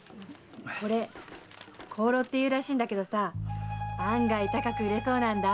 これ香炉っていうらしいんだけどさ案外高く売れそうなんだ。